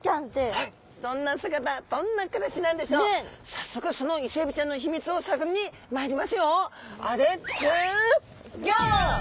早速そのイセエビちゃんの秘密を探りに参りますよ！